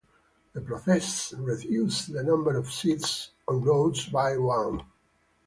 The process reduced the number of seats on rows by one.